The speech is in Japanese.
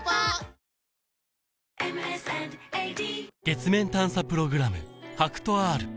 月面探査プログラム